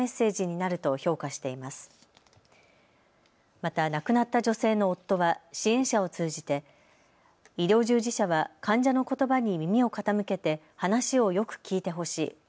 また、亡くなった女性の夫は支援者を通じて医療従事者は患者のことばに耳を傾けて話をよく聞いてほしい。